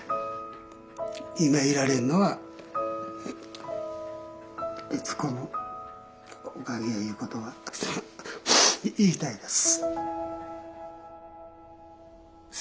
今いられるのは悦子のおかげやいうことは言いたいです。